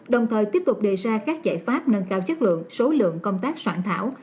đồng thời tiếp tục đề ra các giải pháp nâng cao chất lượng số lượng công tác soạn thảo